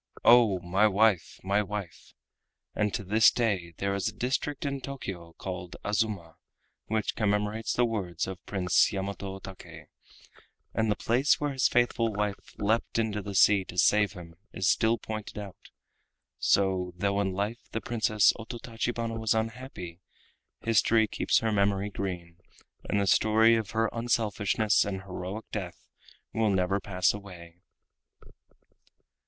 (Oh! my wife, my wife!) And to this day there is a district in Tokio called Azuma, which commemorates the words of Prince Yamato Take, and the place where his faithful wife leapt into the sea to save him is still pointed out. So, though in life the Princess Ototachibana was unhappy, history keeps her memory green, and the story of her unselfishness and heroic death will never pass away.